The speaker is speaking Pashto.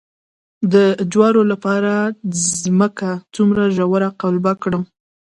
د جوارو لپاره ځمکه څومره ژوره قلبه کړم؟